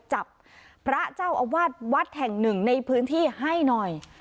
จับพระเจ้าอาวาสวัดแห่งหนึ่งในพื้นที่ให้หน่อย